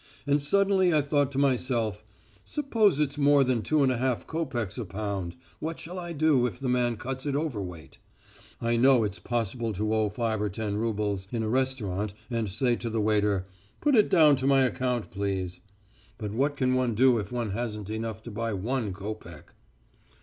And suddenly I thought to myself: 'Suppose it's more than two and a half copecks a pound, what shall I do if the man cuts it overweight? I know it's possible to owe five or ten roubles in a restaurant, and say to the waiter, "Put it down to my account, please," but what can one do if one hasn't enough by one copeck?'